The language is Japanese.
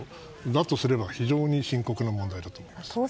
だとすれば非常に深刻な問題だと思います。